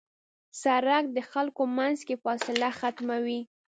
سړک د خلکو منځ کې فاصله ختموي.